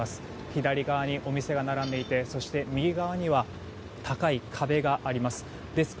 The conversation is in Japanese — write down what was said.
左側に、お店が並んでいて右側には高い壁があります。